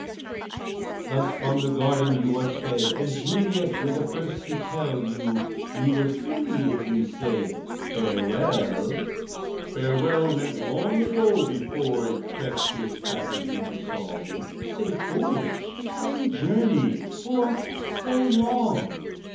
'" Thus from the garden are you sped; And Juliet were the first to tell You, you were silly if you said "Farewell!" "Farewell," meant long ago, before It crept, tear spattered, into song, "Safe voyage!" "Pleasant journey!" or "So long!"